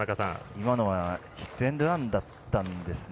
今のはヒットエンドランだったんですね。